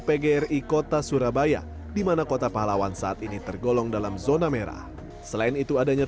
pgri kota surabaya dimana kota pahlawan saat ini tergolong dalam zona merah selain itu adanya